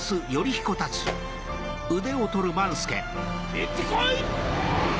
行って来い！